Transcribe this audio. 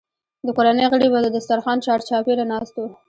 د کورنۍ غړي به د دسترخوان چارچاپېره ناست وو.